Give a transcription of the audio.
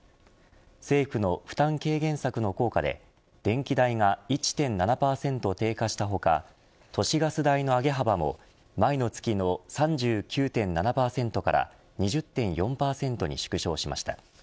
政府の負担軽減策の効果で電気代が１．７％低下した他都市ガス代の上げ幅も前の月の３９．７％から２０．４％に縮小しました。